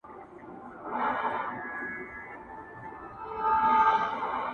چي هم له ګل او هم له خاره سره لوبي کوي!.